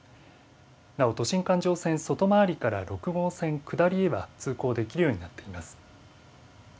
なお、都心環状線外回りから６号線下りへは通行できるようになっています。